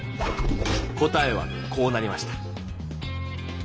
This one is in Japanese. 答えはこうなりました。